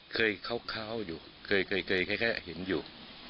เคยเข้าอยู่เคยแค่เห็นอยู่